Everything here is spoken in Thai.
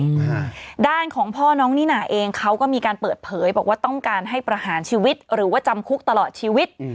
ค่ะด้านของพ่อน้องนิน่าเองเขาก็มีการเปิดเผยบอกว่าต้องการให้ประหารชีวิตหรือว่าจำคุกตลอดชีวิตอืม